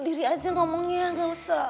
diri aja ngomongnya gak usah